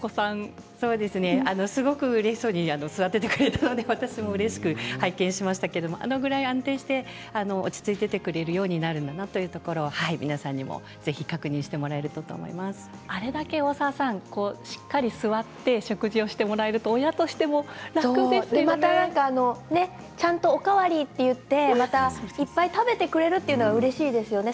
すごくうれしそうに座っていてくれたので私もうれしく拝見しましたけれどあれくらい安定して落ち着いてできるようになるんだなというところを皆さんに、ぜひあれだけ、大沢さんしっかり座って食事をしてもらえるとそうですよね、そしてお代わりと言っていっぱい食べてくれるのはうれしいですよね。